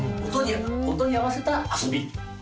音に合わせた遊び。